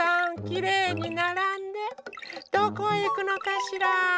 きれいにならんでどこへいくのかしら？